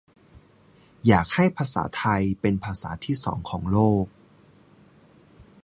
"อยากให้ภาษาไทยเป็นภาษาที่สองของโลก"